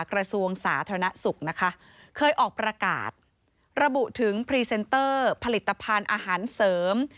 กระทรวงสาธารณสุขนะคะเคยออกประกาศระบุถึงพรีเซนเตอร์ผลิตภัณฑ์อาหารเสริม